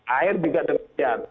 air juga demikian